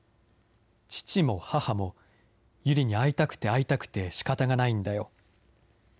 友梨に会いたくて会いたくてしかたがないんだよ。